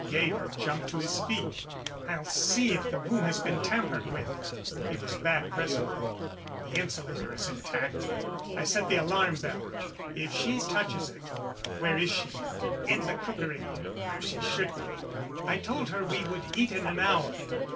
Georg jumped to his feet. "I'll see if the room has been tampered with." He was back presently. "The insulator is intact. I set the alarm bell. If she touches it " "Where is she?" "In the cookery, where she should be. I told her we would eat in an hour.